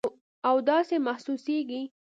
او داسې محسوسیږي